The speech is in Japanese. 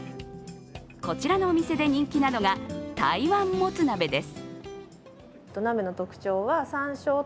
こちらのお店で人気なのが台湾もつ鍋です。